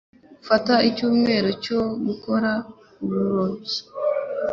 Mfata icyumweru cyo gukora uburobyi.